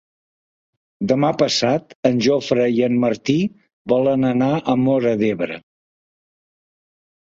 Demà passat en Jofre i en Martí volen anar a Móra d'Ebre.